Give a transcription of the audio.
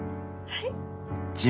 はい。